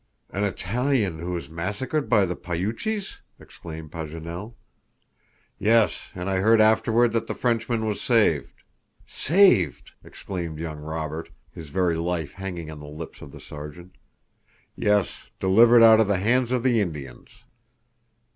"An Italian who was massacred by the Poyuches?" exclaimed Paganel. "Yes; and I heard afterward that the Frenchman was saved." "Saved!" exclaimed young Robert, his very life hanging on the lips of the Sergeant. "Yes; delivered out of the hands of the Indians."